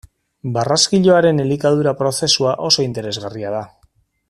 Barraskiloaren elikadura prozesua oso interesgarria da.